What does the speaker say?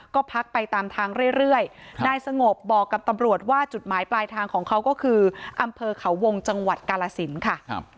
ก็พักไปตามทางเรื่อยนายสงบบอกกับตำรวจว่าจุดหมายปลายทางของเขาก็คืออำเภอเขาวงจังหวัดกาลสินค่ะ